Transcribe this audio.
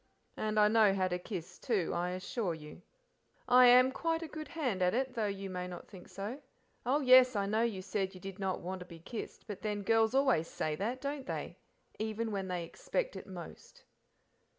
"And I know how to kiss, too, I assure you. I am quite a good hand at it, though you may not think so. Oh yes, I know you said you did not want to be kissed; but then, girls always say that, don't they? even when they expect it most."